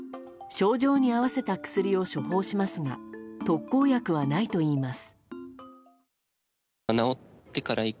症状に合わせた薬を処方しますが特効薬はないといいます。